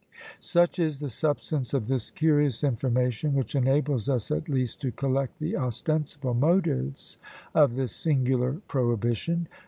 Such is the substance of this curious information, which enables us at least to collect the ostensible motives of this singular prohibition.